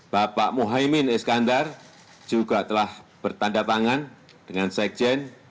dari partai basal amerikaultik bapak mas eid mveen juga telah bertanda tangan dengan sekjen